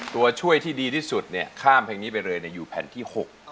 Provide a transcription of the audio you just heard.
ตัวช่วยที่ดีที่สุดเนี่ยข้ามเพลงนี้ไปเลยอยู่แผ่นที่๖